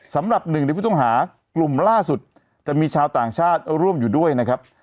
สำหรับหนึ่งในผู้ต้องหากลุ่มล่าสุดจะมีชาวต่างชาติร่วมอยู่ด้วยนะครับ